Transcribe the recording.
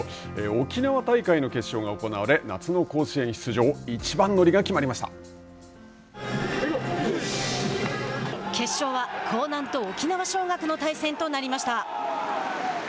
沖縄大会の決勝が行われ夏の甲子園出場決勝は興南と沖縄尚学の対戦となりました。